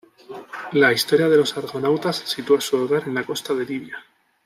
La historia de los argonautas sitúa su hogar en la costa de Libia.